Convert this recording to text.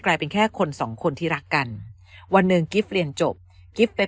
กลายเป็นแค่คนสองคนที่รักกันวันหนึ่งกิฟต์เรียนจบกิ๊บเป็น